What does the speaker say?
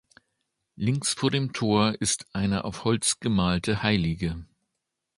Links vor dem Tor ist eine auf Holz gemalte Hl.